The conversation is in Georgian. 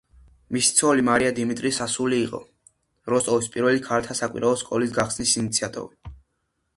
მისი ცოლი მარია დიმიტრის ასული იყო როსტოვის პირველი ქალთა საკვირაო სკოლის გახსნის ინიციატორი.